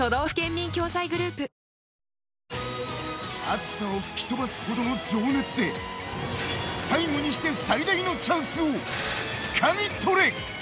暑さを吹き飛ばすほどの情熱で最後にして最大のチャンスをつかみ取れ！